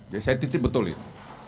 jadi saya titip betul itu